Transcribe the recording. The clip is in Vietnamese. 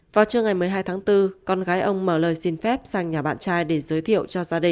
vào trưa ngày một mươi hai tháng bốn con gái ông mở lời xin phép sang nhà bạn trai